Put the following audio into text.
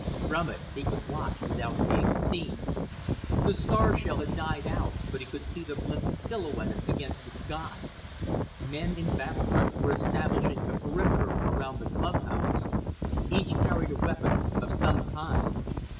From it he could watch without being seen. The star shell had died out but he could see the blimp silhouetted against the sky. Men in battle dress were establishing a perimeter around the clubhouse. Each carried a weapon of some kind.